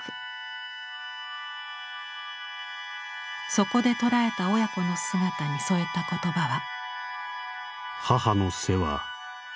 そこで捉えた親子の姿に添えた言葉は。